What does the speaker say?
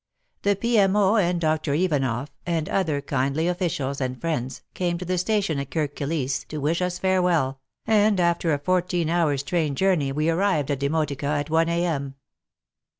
The P.M.O. and Dr. Ivanoff, and other kindly officials and friends, came to the station at Kirk Kilisse to wish us farewell, and after a fourteen hours' train journey we arrived at Demotika at i a.m.